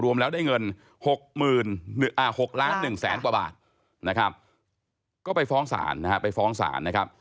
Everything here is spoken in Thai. รวมแล้วได้เงิน๖ล้าน๑แสนกว่าบาทนะครับก็ไปฟ้องศาลนะฮะไปฟ้องศาลนะครับ